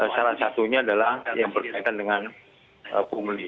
salah satunya adalah yang berkaitan dengan pungli